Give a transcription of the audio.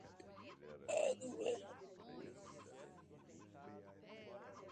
Mas o assunto merece ser considerado de lado.